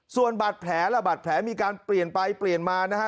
ส่วนบาดแผลล่ะบาดแผลมีการเปลี่ยนไปเปลี่ยนมานะฮะ